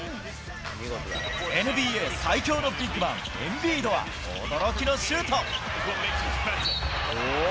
ＮＢＡ最強のビッグマン、エンビードは、驚きのシュート。